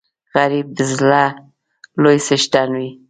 غریب د زړه لوی څښتن وي